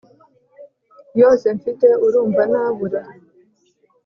yose mfite urumva nabura